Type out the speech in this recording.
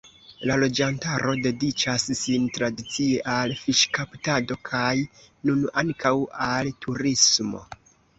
La loĝantaro dediĉas sin tradicie al fiŝkaptado kaj nun ankaŭ al turismo.